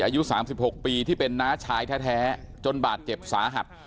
อายุ๓๖ปีที่เป็นน้าชายแท้จนบาดเจ็บสาหัส